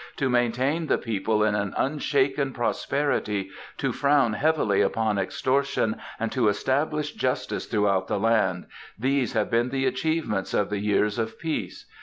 "To maintain the people in an unshaken prosperity, to frown heavily upon extortion and to establish justice throughout the land these have been the achievements of the years of peace.